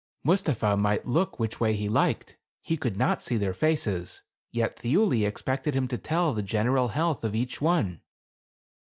Mustapha might look which way he liked, he could not see their faces, yet Thiuli expected him to tell the general health of each one.